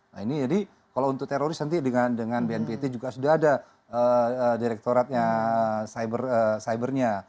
nah ini jadi kalau untuk teroris nanti dengan bnpt juga sudah ada direktoratnya cybernya